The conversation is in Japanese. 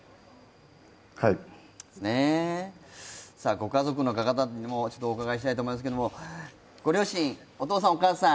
ご家族の方にもお伺いしたいと思いますけど、ご両親、お父さんお母さん